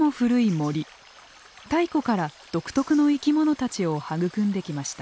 太古から独特の生き物たちを育んできました。